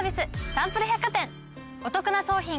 サンプル百貨店。